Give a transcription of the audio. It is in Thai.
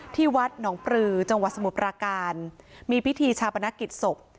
ที่วัดหนองปลือจังหวัดสมุทรปราการมีพิธีชาปนกิจศพ